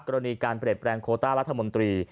ในภักรอนีการเปลี่ยนปรแกลงโครตาร์รัฐมนตรี